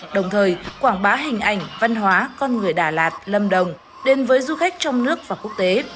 đồng thời quảng bá hình ảnh văn hóa con người đà lạt lâm đồng đến với du khách trong nước và quốc tế